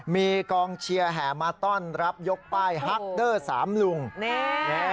มีกองเชียร์แห่มาต้อนรับยกป้ายฮักเดอร์สามลุงนี่